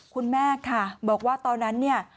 คุณแม่ค่ะบอกว่าตอนนั้นเนี่ย